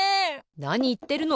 なにいってるの！